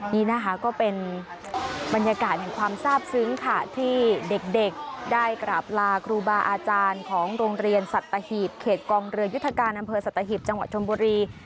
นี่นะคะก็เป็นบรรยากาศแห่งความทราบซึ้งค่ะที่เด็กได้กราบลาครูบาอาจารย์ของโรงเรียนสัตหีบเขตกองเรือยุทธการอำเภอสัตหีบจังหวัดชนบุรี